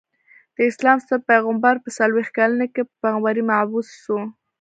د اسلام ستر پيغمبر په څلويښت کلني کي په پيغمبری مبعوث سو.